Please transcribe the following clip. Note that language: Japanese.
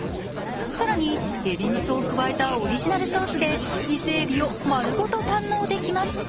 更に、えびみそを加えたオリジナルソースで伊勢えびを丸ごと堪能できます。